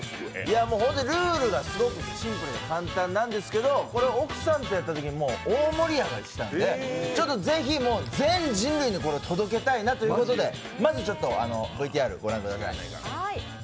ルールがすごくシンプルで簡単なんですけど、これを奥さんとやったときに大盛り上がりしたんでぜひ、全人類にこれ、届けたいなということでまずＶＴＲ、ご覧ください。